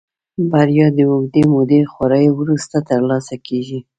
بريا د اوږدې مودې خواريو وروسته ترلاسه کېږي.